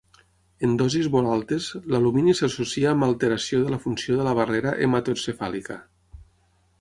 En dosis molt altes, l'alumini s'associa amb alteració de la funció de la barrera hematoencefàlica.